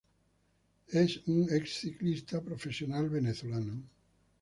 Es un ex-ciclista profesional venezolano.